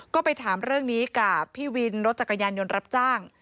ก็ไปถามเรื่องนี้กับพี่วินรถจักรยานยนต์รับจ้าง